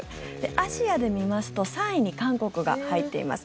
アジアで見ますと３位に韓国が入っています。